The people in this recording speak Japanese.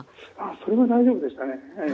それは大丈夫ですね。